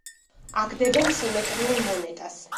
აგდებენ სიმეტრიულ მონეტას.